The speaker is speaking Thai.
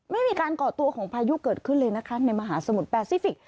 ไม่มีการก่อตัวของพายุเกิดขึ้นเลยนะคะในมหาสมุทรแปซิฟิกส